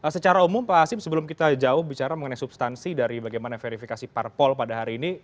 secara umum pak hasim sebelum kita jauh bicara mengenai substansi dari bagaimana verifikasi parpol pada hari ini